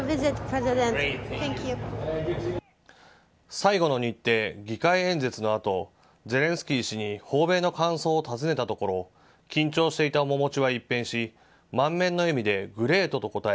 最後の日程、議会演説のあとゼレンスキー氏に訪米の感想を尋ねたところ緊張していたものの面持ちを一変し満面の笑みでグレートと答え